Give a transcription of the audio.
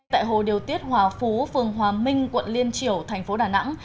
tại hồ điều tiết hòa phú phường hòa minh quận liên triểu thành phố đà nẵng